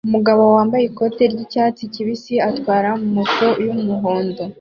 Umugabo wambaye ikoti ryicyatsi kibisi atwara moto yumuhondo